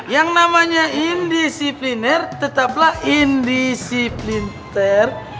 yang namanya indisipliner tetaplah indisiplinter